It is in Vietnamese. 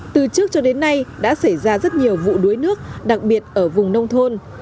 từ trước cho đến nay đã xảy ra rất nhiều vụ đuối nước đặc biệt ở vùng nông thôn